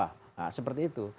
nah seperti itu